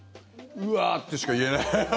うわっ！としか言えない。